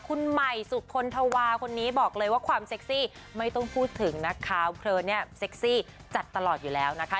คุณใหม่สุคลธวาคนนี้บอกเลยว่าความเซ็กซี่ไม่ต้องพูดถึงนะคะเธอเนี่ยเซ็กซี่จัดตลอดอยู่แล้วนะคะ